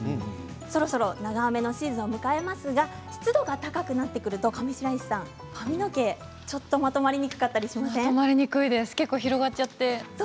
そろそろ長雨のシーズンを迎えますが湿度が高くなってくると上白石さん、髪の毛まとまりにくくなったり結構広がっちゃって。